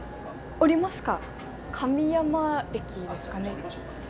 降りますか？